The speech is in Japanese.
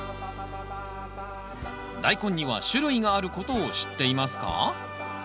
ダイコンには種類があることを知っていますか？